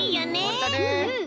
ほんとね。